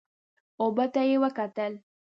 اوبو ته یې وکتل.